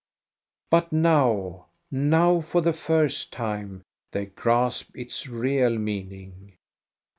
But now, now for the first time, they grasp its real meaning.